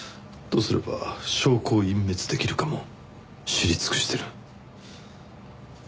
どうすれば証拠を隠滅できるかも知り尽くしてる。